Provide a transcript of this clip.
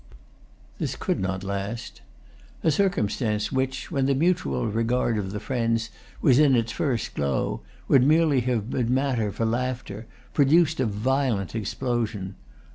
This could not last. A circumstance which, when the mutual regard of the friends was in its first glow, would merely have been matter for laughter produced a violent explosion.